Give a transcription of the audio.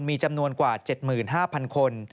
มีจำนวนกว่า๗๕๐๐คน